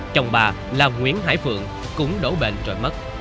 chồng bà là nguyễn hải phượng cũng đổ bệnh rồi mất